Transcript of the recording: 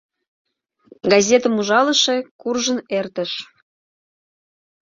Газетым ужалыше куржын эртыш.